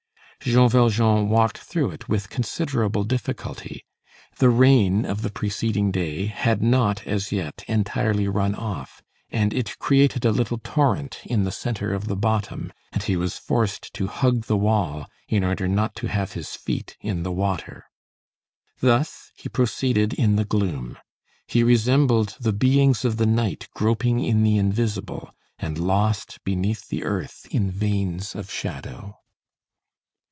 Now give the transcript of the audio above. Jean Valjean walked through it with considerable difficulty. The rain of the preceding day had not, as yet, entirely run off, and it created a little torrent in the centre of the bottom, and he was forced to hug the wall in order not to have his feet in the water. Thus he proceeded in the gloom. He resembled the beings of the night groping in the invisible and lost beneath the earth in veins of shadow.